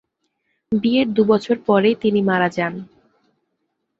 বিয়ের দু'বছর পরেই তিনি মারা যান।